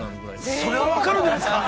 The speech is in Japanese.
◆それは分かるんじゃないですか！？